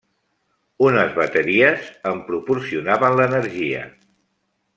Unes bateries en proporcionaven l'energia.